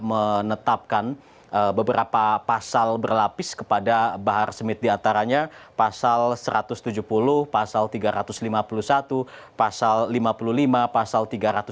menetapkan beberapa pasal berlapis kepada bahar smith diantaranya pasal satu ratus tujuh puluh pasal tiga ratus lima puluh satu pasal lima puluh lima pasal tiga ratus tiga puluh